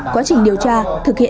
quá trình điều tra thực hiện